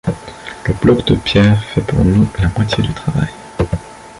Le bloc de pierre fait pour nous la moitié du travail.